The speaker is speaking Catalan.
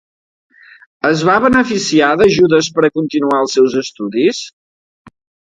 Es va beneficiar d'ajudes per a continuar els seus estudis?